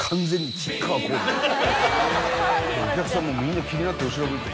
お客さんもみんな気になって後ろを向いて。